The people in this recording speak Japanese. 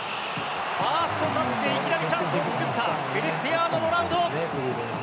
ファーストタッチでいきなりチャンスを作ったクリスティアーノ・ロナウド。